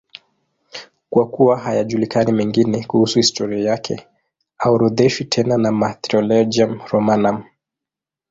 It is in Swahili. Kwa kuwa hayajulikani mengine kuhusu historia yake, haorodheshwi tena na Martyrologium Romanum.